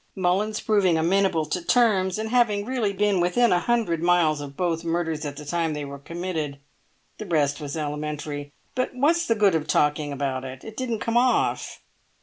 Mullins proving amenable to terms, and having really been within a hundred miles of both murders at the time they were committed, the rest was elementary. But what's the good of talking about it? It didn't come off."